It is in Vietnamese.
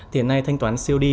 tiền này thanh toán siêu đi